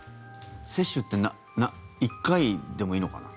接種って１回でもいいのかな？